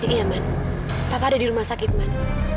iya man papa ada di rumah sakit man